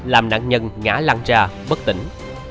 làm nạn nhân ngã lăn ra bất tỉnh